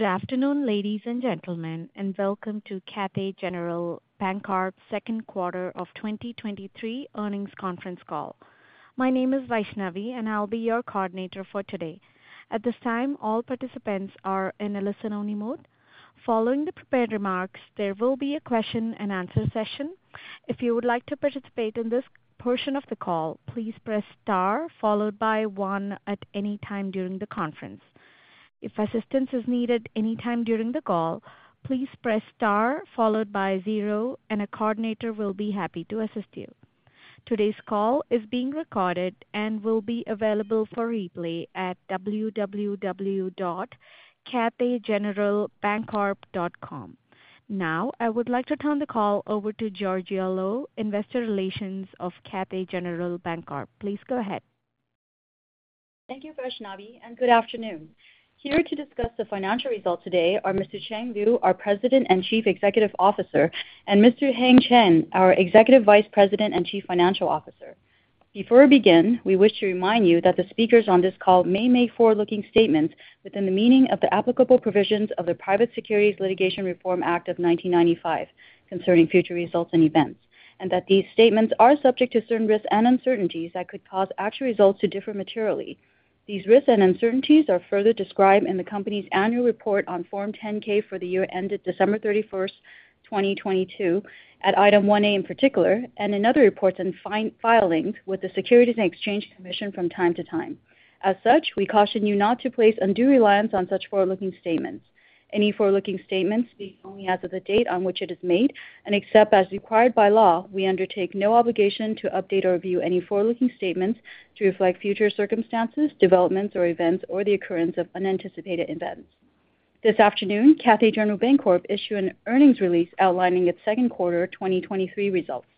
Good afternoon, ladies and gentlemen, and welcome to Cathay General Bancorp Q2 of 2023 earnings conference call. My name is Vaishnavi, and I'll be your coordinator for today. At this time, all participants are in a listen-only mode. Following the prepared remarks, there will be a question and answer session. If you would like to participate in this portion of the call, please press star followed by one at any time during the conference. If assistance is needed any time during the call, please press star followed by zero, and a coordinator will be happy to assist you. Today's call is being recorded and will be available for replay at www.cathaygeneralbancorp.com. Now, I would like to turn the call over to Georgia Lo, Investor Relations of Cathay General Bancorp. Please go ahead. Thank you, Vaishnavi, and good afternoon. Here to discuss the financial results today are Mr. Chang Liu, our President and Chief Executive Officer, and Mr. Heng Chen, our Executive Vice President and Chief Financial Officer. Before we begin, we wish to remind you that the speakers on this call may make forward-looking statements within the meaning of the applicable provisions of the Private Securities Litigation Reform Act of 1995 concerning future results and events, and that these statements are subject to certain risks and uncertainties that could cause actual results to differ materially. These risks and uncertainties are further described in the company's annual report on Form 10-K for the year ended December 31st, 2022, at item 1A in particular, and in other reports and filings with the Securities and Exchange Commission from time to time. As such, we caution you not to place undue reliance on such forward-looking statements. Any forward-looking statements speak only as of the date on which it is made, and except as required by law, we undertake no obligation to update or review any forward-looking statements to reflect future circumstances, developments or events or the occurrence of unanticipated events. This afternoon, Cathay General Bancorp issued an earnings release outlining its Q2 2023 results.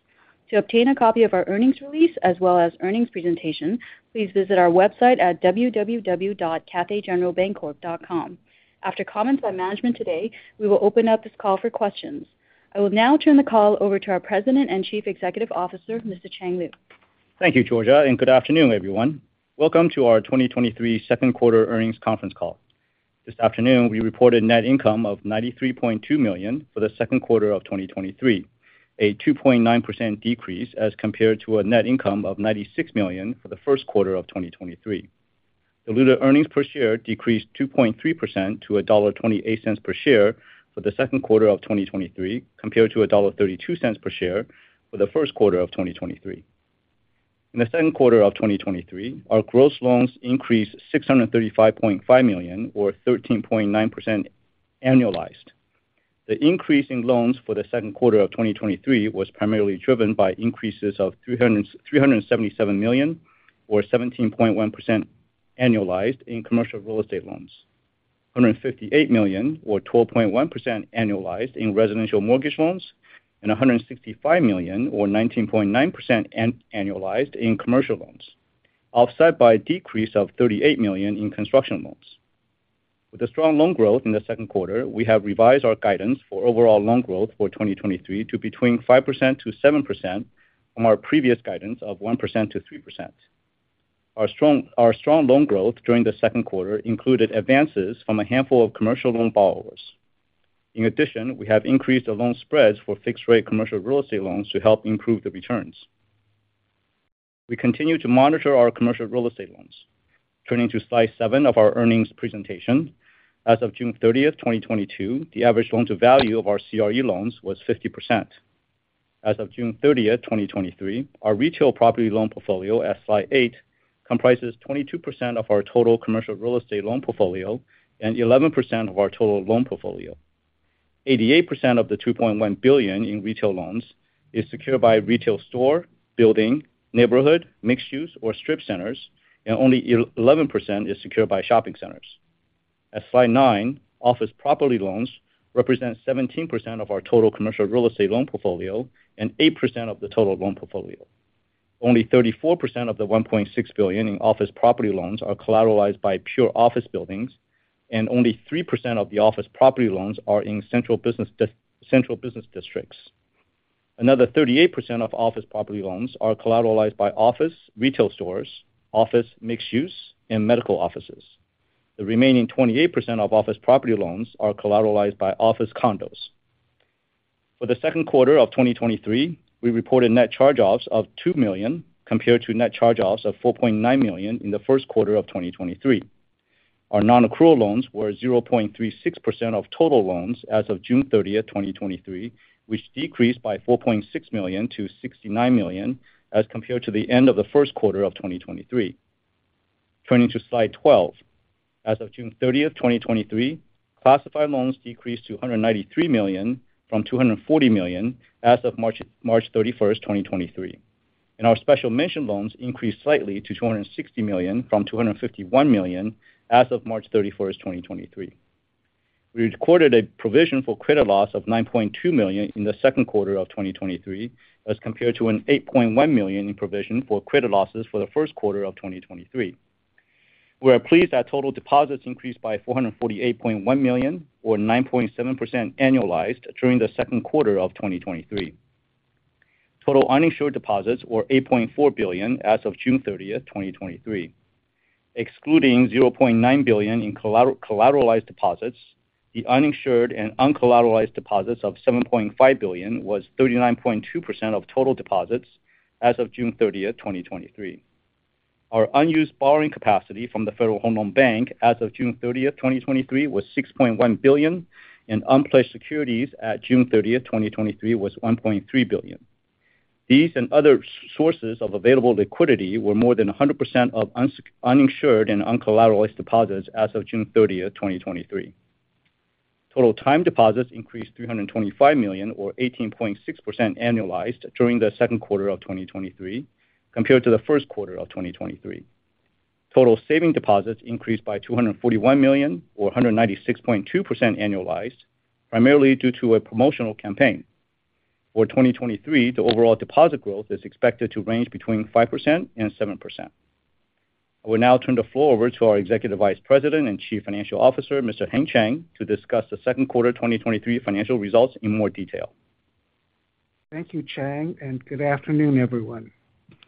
To obtain a copy of our earnings release as well as earnings presentation, please visit our website at www.cathaygeneralbancorp.com. After comments by management today, we will open up this call for questions. I will now turn the call over to our President and Chief Executive Officer, Mr. Chang Liu. Thank you, Georgia. Good afternoon, everyone. Welcome to our 2023 Q2 earnings conference call. This afternoon, we reported net income of $93.2 million for the Q2 of 2023, a 2.9% decrease as compared to a net income of $96 million for the Q1 of 2023. Diluted earnings per share decreased 2.3% to $1.28 per share for the Q2 of 2023, compared to $1.32 per share for the Q1 of 2023. In the Q2 of 2023, our gross loans increased $635.5 million, or 13.9% annualized. The increase in loans for the Q2 of 2023 was primarily driven by increases of $377 million, or 17.1% annualized in commercial real estate loans. $158 million or 12.1% annualized in residential mortgage loans, and $165 million or 19.9% annualized in commercial loans, offset by a decrease of $38 million in construction loans. With the strong loan growth in the Q2, we have revised our guidance for overall loan growth for 2023 to between 5%-7% from our previous guidance of 1%-3%. Our strong loan growth during the Q2 included advances from a handful of commercial loan borrowers. In addition, we have increased the loan spreads for fixed-rate commercial real estate loans to help improve the returns. We continue to monitor our commercial real estate loans. Turning to slide seven of our earnings presentation, as of June 30th, 2022, the average loan-to-value of our CRE loans was 50%. As of June 30th, 2023, our retail property loan portfolio, at slide eight, comprises 22% of our total commercial real estate loan portfolio and 11% of our total loan portfolio. 88% of the $2.1 billion in retail loans is secured by retail store, building, neighborhood, mixed use, or strip centers, and only 11% is secured by shopping centers. At slide nine, office property loans represent 17% of our total commercial real estate loan portfolio and 8% of the total loan portfolio. Only 34% of the $1.6 billion in office property loans are collateralized by pure office buildings. Only 3% of the office property loans are in central business districts. Another 38% of office property loans are collateralized by office, retail stores, office mixed use, and medical offices. The remaining 28% of office property loans are collateralized by office condos. For the Q2 of 2023, we reported net charge-offs of $2 million, compared to net charge-offs of $4.9 million in the Q1 of 2023. Our non-accrual loans were 0.36% of total loans as of June 30, 2023, which decreased by $4.6 million to $69 million as compared to the end of the Q1 of 2023. Turning to slide 12. As of June 30th, 2023, classified loans decreased to $193 million from $240 million as of March 31st, 2023. Our special mention loans increased slightly to $260 million from $251 million as of March 31st, 2023. We recorded a provision for credit losses of $9.2 million in the Q2 of 2023, as compared to an $8.1 million in provision for credit losses for the Q1 of 2023. We are pleased that total deposits increased by $448.1 million, or 9.7% annualized during the Q2 of 2023. Total uninsured deposits were $8.4 billion as of June 30th, 2023. Excluding $0.9 billion in collateralized deposits, the uninsured and uncollateralized deposits of $7.5 billion was 39.2% of total deposits as of June 30, 2023. Our unused borrowing capacity from the Federal Home Loan Bank as of June 30, 2023, was $6.1 billion, and unplaced securities at June 30, 2023, was $1.3 billion. These and other sources of available liquidity were more than 100% of uninsured and uncollateralized deposits as of June 30, 2023. Total time deposits increased $325 million or 18.6% annualized during the Q2 of 2023, compared to the Q1 of 2023. Total saving deposits increased by $241 million, or 196.2% annualized, primarily due to a promotional campaign. For 2023, the overall deposit growth is expected to range between 5% and 7%. I will now turn the floor over to our Executive Vice President and Chief Financial Officer, Mr. Heng Chen, to discuss the Q2 2023 financial results in more detail. Thank you, Chang. Good afternoon, everyone.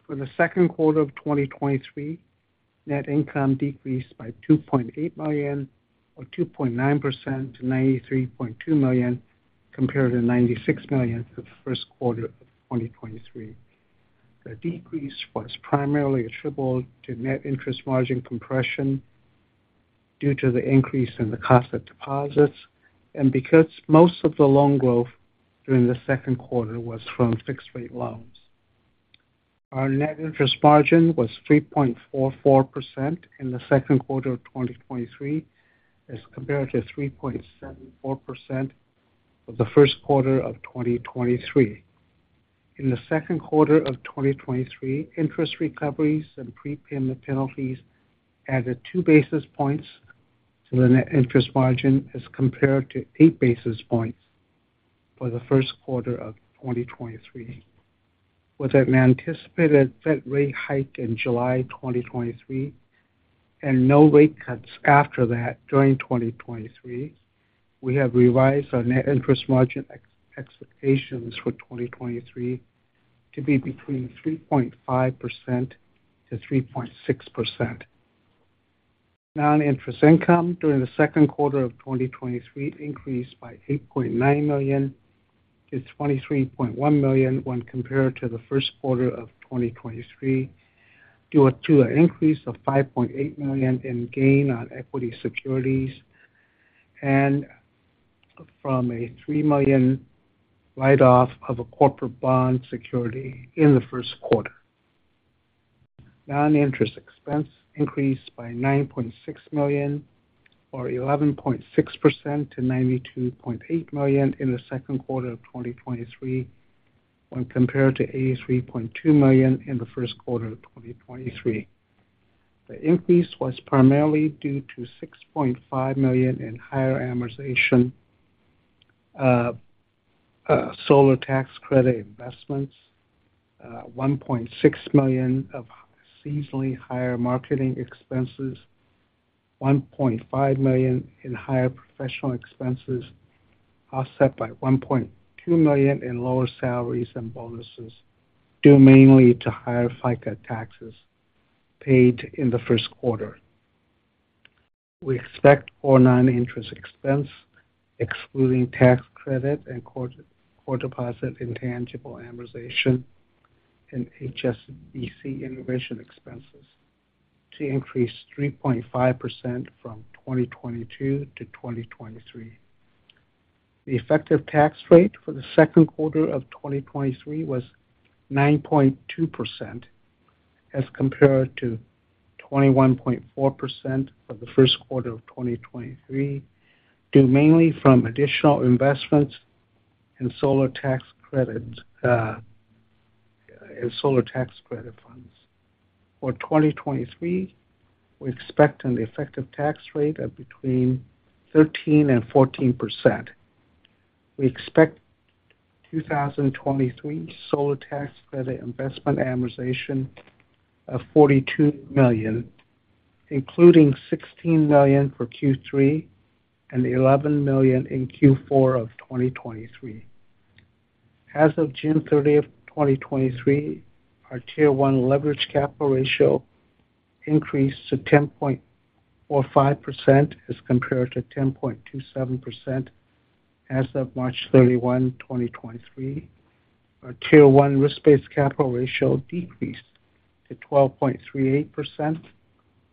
For the Q2 of 2023, net income decreased by $2.8 million, or 2.9% to $93.2 million, compared to $96 million for the Q1 of 2023. The decrease was primarily attributable to net interest margin compression due to the increase in the cost of deposits and because most of the loan growth during the Q2 was from fixed-rate loans. Our net interest margin was 3.44% in the Q2 of 2023, as compared to 3.74% for the Q1 of 2023. In the Q2 of 2023, interest recoveries and prepayment penalties added 2 basis points to the net interest margin, as compared to 8 basis points for the Q1 of 2023. With an anticipated Fed rate hike in July 2023 and no rate cuts after that during 2023, we have revised our net interest margin expectations for 2023 to be between 3.5%-3.6%. Non-interest income during the Q2 of 2023 increased by $8.9 million to $23.1 million when compared to the Q1 of 2023, due to an increase of $5.8 million in gain on equity securities and from a $3 million write-off of a corporate bond security in the Q1. Non-interest expense increased by $9.6 million, or 11.6% to $92.8 million in the Q2 of 2023, when compared to $83.2 million in the Q1 of 2023. The increase was primarily due to $6.5 million in higher amortization, solar tax credit investments, $1.6 million of seasonally higher marketing expenses, $1.5 million in higher professional expenses, offset by $1.2 million in lower salaries and bonuses, due mainly to higher FICA taxes paid in the Q1. We expect our non-interest expense, excluding tax credit and core deposit intangible amortization and HSBC integration expenses, to increase 3.5% from 2022 to 2023. The effective tax rate for the Q2 of 2023 was 9.2%, as compared to 21.4% for the Q1 of 2023, due mainly from additional investments in solar tax credits, in solar tax credit funds. For 2023, we're expecting the effective tax rate of between 13% and 14%. We expect 2023 solar tax credit investment amortization of $42 million, including $16 million for Q3 and $11 million in Q4 of 2023. As of June 30, 2023, our Tier 1 leverage capital ratio increased to 10.45% as compared to 10.27% as of March 31, 2023. Our Tier 1 risk-based capital ratio decreased to 12.38%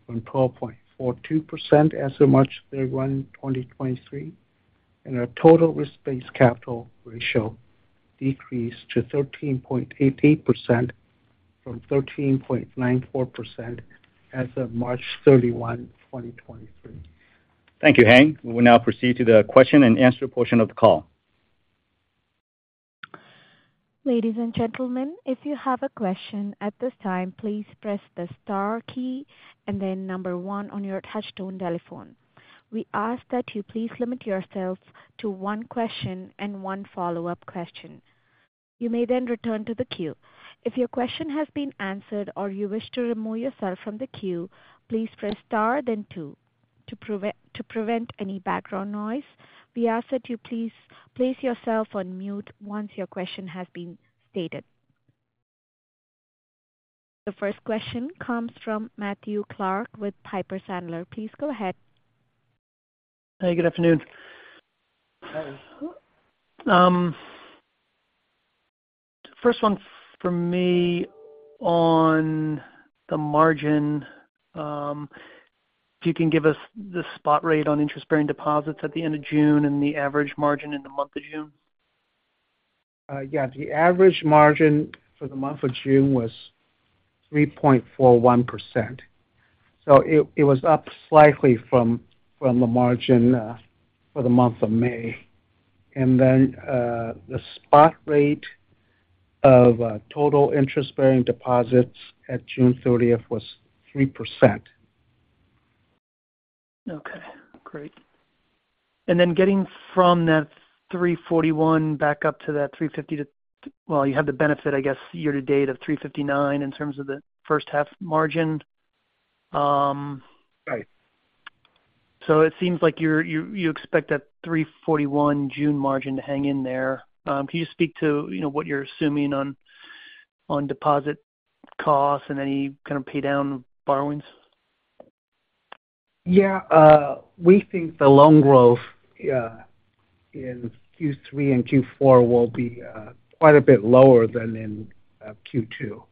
from 12.42% as of March 31, 2023, and our total risk-based capital ratio decreased to 13.88% from 13.94% as of March 31, 2023. Thank you, Heng. We will now proceed to the question and answer portion of the call. Ladies and gentlemen, if you have a question at this time, please press the star key and then number one on your touchtone telephone. We ask that you please limit yourself to one question and one follow-up question. You may return to the queue. If your question has been answered or you wish to remove yourself from the queue, please press star then two. To prevent any background noise, we ask that you please place yourself on mute once your question has been stated. The first question comes from Matthew Clark with Piper Sandler. Please go ahead. Hey, good afternoon. Hi. First one for me on the margin, if you can give us the spot rate on interest-bearing deposits at the end of June and the average margin in the month of June? Yeah, the average margin for the month of June was 3.41%. It was up slightly from the margin for the month of May. The spot rate of total interest-bearing deposits at June 30th was 3%. Okay, great. Getting from that 341 back up to that 350, well, you have the benefit, I guess, year-to-date of 359 in terms of the first half margin. Right. it seems like you're, you expect that 3.41% June margin to hang in there. Can you just speak to, you know, what you're assuming on deposit costs and any kind of pay down borrowings? Yeah, we think the loan growth in Q3 and Q4 will be quite a bit lower than in Q2.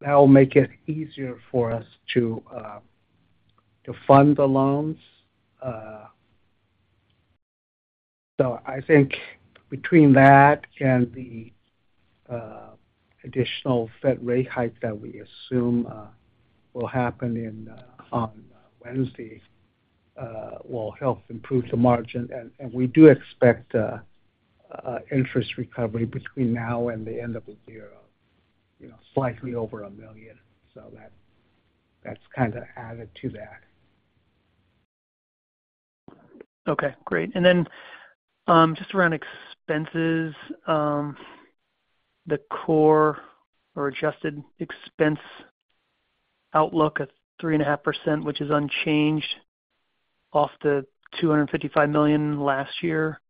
That will make it easier for us to fund the loans. I think between that and the additional Fed rate hike that we assume will happen on Wednesday, will help improve the margin. We do expect a interest recovery between now and the end of the year, you know, slightly over $1 million. That's kind of added to that. Okay, great. Just around expenses, the core or adjusted expense outlook of 3.5%, which is unchanged off the $255 million last year,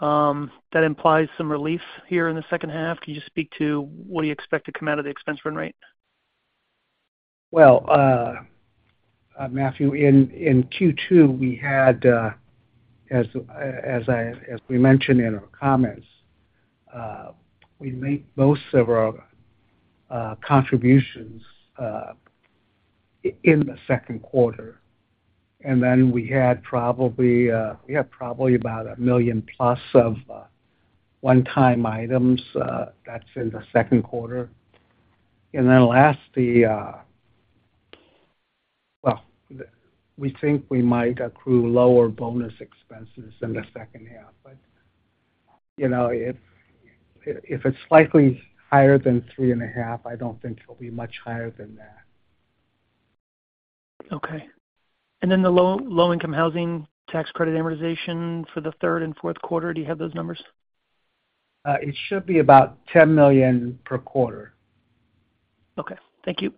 that implies some relief here in the second half. Can you just speak to what do you expect to come out of the expense run rate? Well, Matthew, in Q2, we had, as we mentioned in our comments, we made most of our contributions in the Q2. We had probably about $1 million+ of one-time items, that's in the Q2. Lastly, Well, we think we might accrue lower bonus expenses in the second half, but, you know, if it's slightly higher than $3.5, I don't think it'll be much higher than that. Okay. Then the low-income housing tax credit amortization for the Q3 and Q4, do you have those numbers? It should be about $10 million per quarter. Okay. Thank you.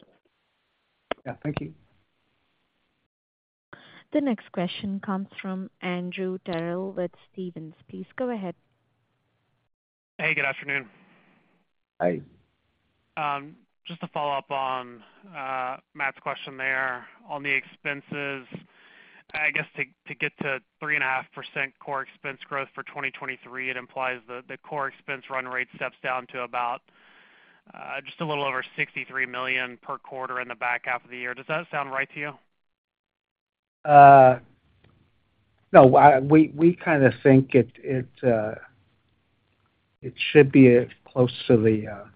Yeah, thank you. The next question comes from Andrew Terrell with Stephens. Please go ahead. Hey, good afternoon. Hi. Just to follow up on Matt's question there. On the expenses, I guess to get to 3.5% core expense growth for 2023, it implies that the core expense run rate steps down to about just a little over $63 million per quarter in the back half of the year. Does that sound right to you? No, I, we kind of think it should be close to the,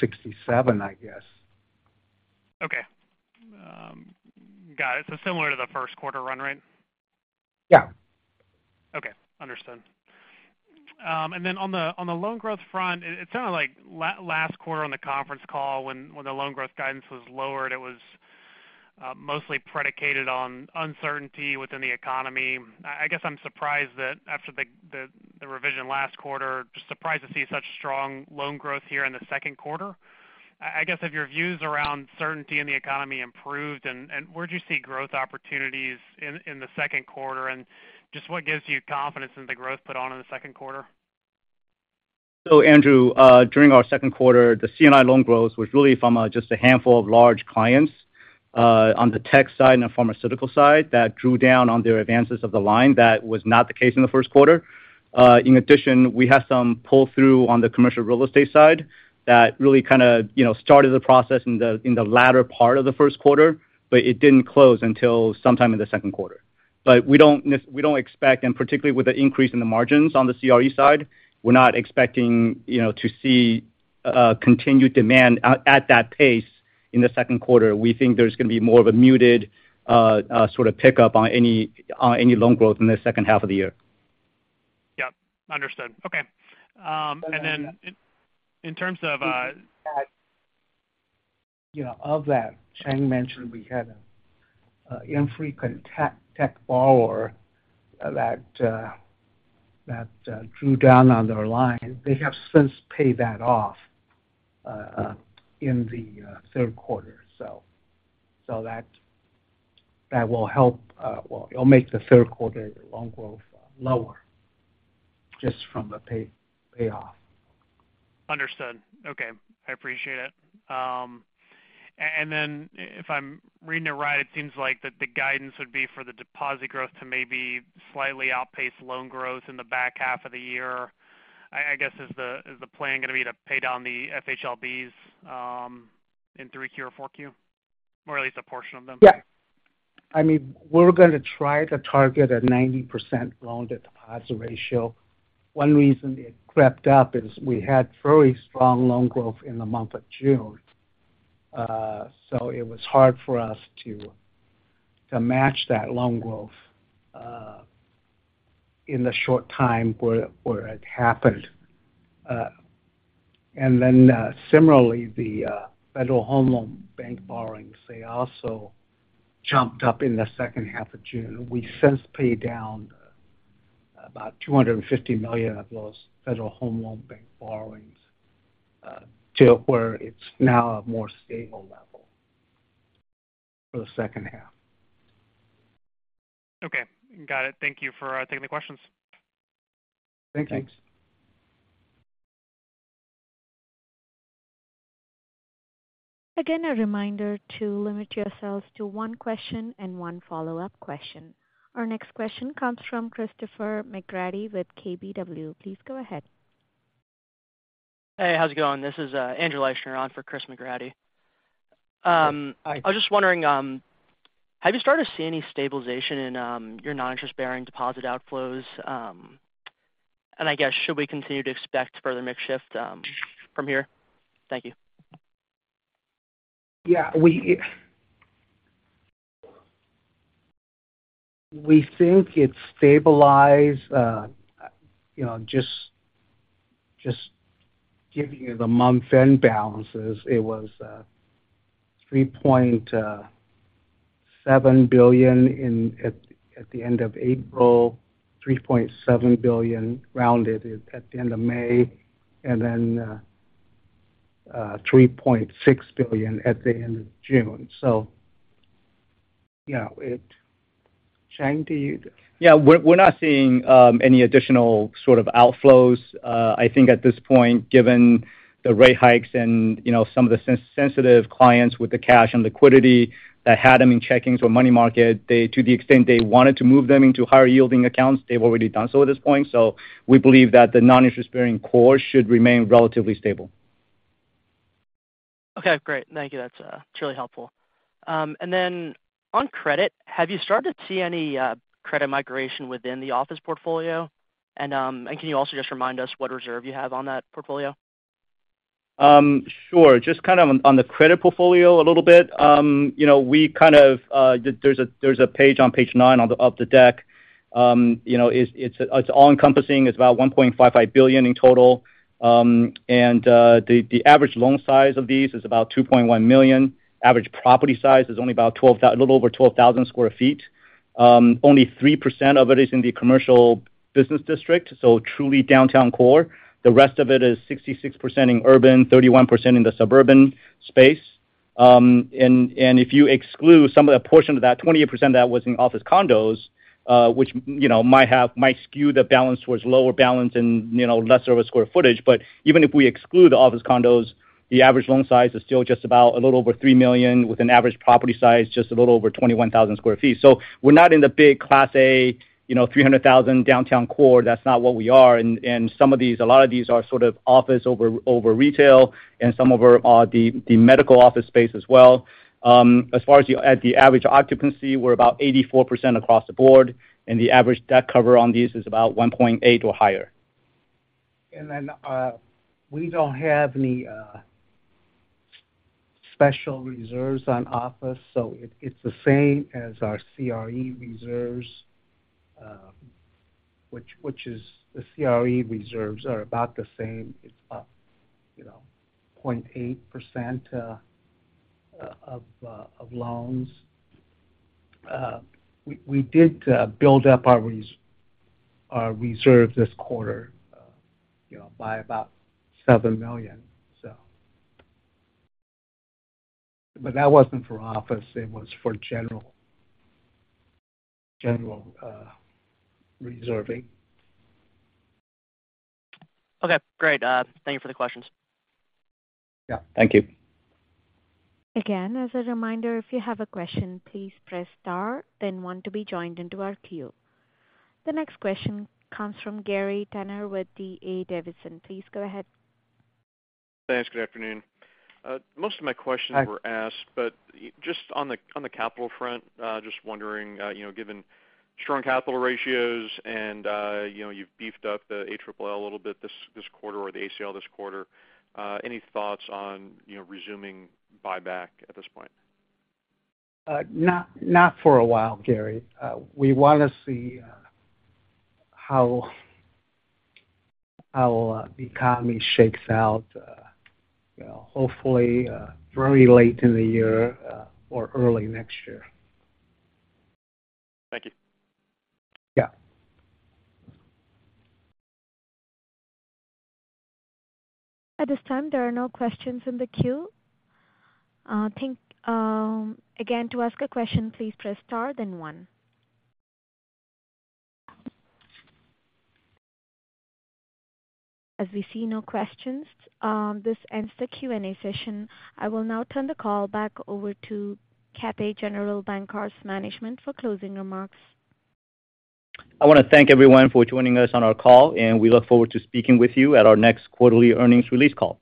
67, I guess. Okay. got it. Similar to the Q1 run rate? Yeah. Okay. Understood. On the, on the loan growth front, it sounded like last quarter on the conference call when the loan growth guidance was lowered, it was mostly predicated on uncertainty within the economy. I guess I'm surprised that after the revision last quarter, just surprised to see such strong loan growth here in the Q2. I guess, have your views around certainty in the economy improved? Where'd you see growth opportunities in the Q2, and just what gives you confidence in the growth put on in the Q2? Andrew, during our Q2, the C&I loan growth was really from just a handful of large clients, on the tech side and the pharmaceutical side, that drew down on their advances of the line. That was not the case in the Q1. In addition, we had some pull-through on the commercial real estate side that really kind of, you know, started the process in the, in the latter part of the Q1, but it didn't close until sometime in the Q2. We don't expect, and particularly with the increase in the margins on the CRE side, we're not expecting, you know, to see continued demand at that pace in the Q2. We think there's gonna be more of a muted, sort of pickup on any loan growth in the second half of the year. Yep. Understood. Okay. Then in terms of,... you know, of that, Chang mentioned we had an infrequent tech borrower that drew down on their line. They have since paid that off in the third quarter. That will help, well, it'll make the third quarter loan growth lower, just from the payoff. Understood. Okay, I appreciate it. If I'm reading it right, it seems like that the guidance would be for the deposit growth to maybe slightly outpace loan growth in the back half of the year. I guess, is the plan gonna be to pay down the FHLB, in 3Q or 4Q? Or at least a portion of them? Yeah. I mean, we're gonna try to target a 90% loan-to-deposit ratio. One reason it crept up is we had very strong loan growth in the month of June. It was hard for us to match that loan growth in the short time where it happened. Similarly, the Federal Home Loan Bank borrowings, they also jumped up in the second half of June. We since paid down about $250 million of those Federal Home Loan Bank borrowings to where it's now a more stable level for the second half. Okay, got it. Thank you for taking the questions. Thank you. Thanks. A reminder to limit yourselves to one question and one follow-up question. Our next question comes from Christopher McGratty with KBW. Please go ahead. Hey, how's it going? This is Andrew Leischner on for Chris McGratty. Hi. I was just wondering, have you started to see any stabilization in your non-interest-bearing deposit outflows? I guess, should we continue to expect further mix shift from here? Thank you. Yeah, we think it's stabilized. you know, just giving you the month-end balances, it was $3.7 billion in, at the end of April, $3.7 billion, rounded, at the end of May, and then, $3.6 billion at the end of June. you know, Chang, do you? Yeah, we're not seeing any additional sort of outflows. I think at this point, given the rate hikes and, you know, some of the sensitive clients with the cash and liquidity that had them in checkings or money market, they, to the extent they wanted to move them into higher yielding accounts, they've already done so at this point. We believe that the non-interest-bearing core should remain relatively stable. Okay, great. Thank you. That's truly helpful. On credit, have you started to see any credit migration within the office portfolio? Can you also just remind us what reserve you have on that portfolio? Sure. Just kind of on the credit portfolio a little bit, you know, we kind of, there's a, there's a page on page nine on the, of the deck. You know, it's, it's all-encompassing. It's about $1.55 billion in total. The, the average loan size of these is about $2.1 million. Average property size is only about a little over 12,000 sq ft. Only 3% of it is in the commercial business district, so truly downtown core. The rest of it is 66% in urban, 31% in the suburban space. If you exclude some of the portion of that, 28% of that was in office condos, which, you know, might have, might skew the balance towards lower balance and, you know, lesser of a square footage. Even if we exclude the office condos, the average loan size is still just about a little over $3 million, with an average property size, just a little over 21,000 sq ft. We're not in the big Class A, you know, 300,000 downtown core. That's not what we are. Some of these, a lot of these are sort of office over retail and some of our, the medical office space as well. As far as the, at the average occupancy, we're about 84% across the board, and the average debt cover on these is about 1.8 or higher. We don't have any special reserves on office, so it's the same as our CRE reserves, which is the CRE reserves are about the same. It's, you know, 0.8% of loans. We did build up our reserve this quarter, you know, by about $7 million. That wasn't for office. It was for general reserving. Okay, great. thank you for the questions. Yeah. Thank you. As a reminder, if you have a question, please press star, then one to be joined into our queue. The next question comes from Gary Tenner with D.A. Davidson. Please go ahead. Thanks. Good afternoon. most of my questions- Hi -were asked, just on the, on the capital front, just wondering, you know, given strong capital ratios and, you know, you've beefed up a little bit this quarter or the ACL this quarter, any thoughts on, you know, resuming buyback at this point? Not for a while, Gary. We wanna see how the economy shakes out, you know, hopefully, very late in the year or early next year. Thank you. Yeah. At this time, there are no questions in the queue. Again, to ask a question, please press star, then one. As we see no questions, this ends the Q&A session. I will now turn the call back over to Cathay General Bancorp's management for closing remarks. I wanna thank everyone for joining us on our call, and we look forward to speaking with you at our next quarterly earnings release call.